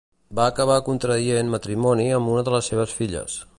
Va acabar contraient matrimoni amb una de les seves filles.